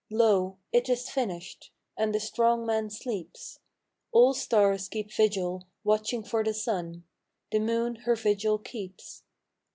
Lo, " it is finished," and the Strong Man sleeps; All stars keep vigil watching for the sun, The moon her vigil keeps.